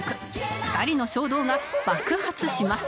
２人の衝動が爆発します